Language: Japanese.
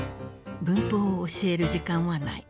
文法を教える時間はない。